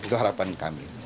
itu harapan kami